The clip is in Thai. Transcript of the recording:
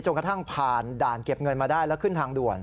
กระทั่งผ่านด่านเก็บเงินมาได้แล้วขึ้นทางด่วน